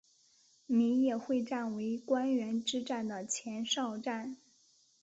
米野会战为关原之战的前哨战。